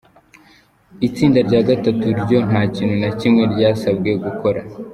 Itsinda rya gatatu ryo nta kintu na kimwe ryasabwe gukora.